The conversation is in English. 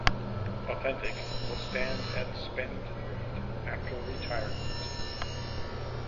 Authentic will stand at Spendthrift after retirement.